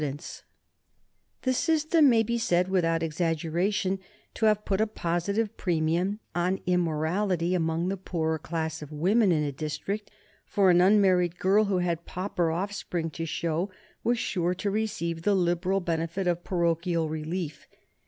[Sidenote: 1832 Some defects in the poor law system] The system may be said without exaggeration to have put a positive premium on immorality among the poorer class of women in a district, for an unmarried girl who had pauper offspring to show was sure to receive the liberal benefit of parochial relief.